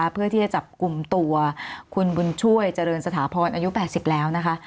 เพื่อที่จะจับกลุ่มตัวคุณบุญช่วยเจริญสถาพรอายุ๘๐แล้วนะคะ